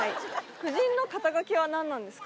夫人の肩書は何なんですか？